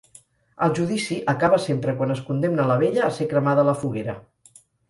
El judici acaba sempre quan es condemna la vella a ser cremada a la foguera.